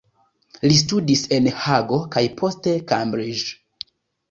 Li studis en Hago kaj poste Cambridge.